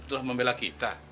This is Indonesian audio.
udah membela kita